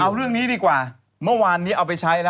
เอาเรื่องนี้ดีกว่าเมื่อวานนี้เอาไปใช้แล้ว